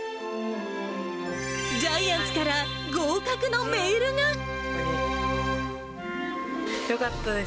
ジャイアンツから合格のメーよかったです。